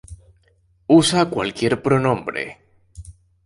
Usa cualquier pronombre.